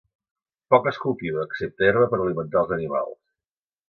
Poc es cultiva, excepte herba per alimentar els animals.